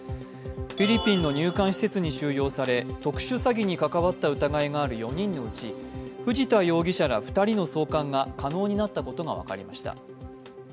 フィリピンの入管施設に収容され特殊詐欺に関わった疑いのある４人のうち藤田容疑者ら２人の送還が可能になったことが分かりました。